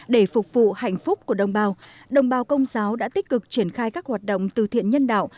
để phục vụ hạnh phúc của đồng bào đồng bào công giáo đã tích cực triển khai các hoạt động từ thiện nhân đạo